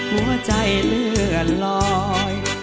หัวใจเลื่อนลอย